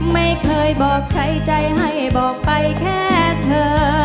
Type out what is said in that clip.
ไม่เคยบอกใครใจให้บอกไปแค่เธอ